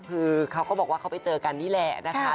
คือเขาก็บอกว่าเขาไปเจอกันนี่แหละนะคะ